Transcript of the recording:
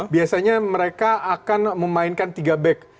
biasanya mereka akan memainkan tiga back